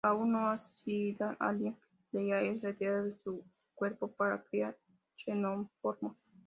La aún no nacida Alien reina es retirada de su cuerpo para criar xenomorfos.